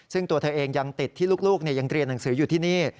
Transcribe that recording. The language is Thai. ซึ่งตัวเธอเองยังติดที่ลูกยังเรียนหนังสืออยู่ที่นี่